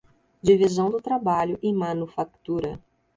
Divisão do trabalho e manufactura